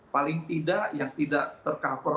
paling tidak yang tidak tercover